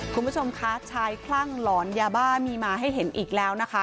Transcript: คุณผู้ชมคะชายคลั่งหลอนยาบ้ามีมาให้เห็นอีกแล้วนะคะ